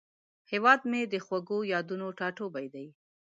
هیواد مې د خوږو یادونو ټاټوبی دی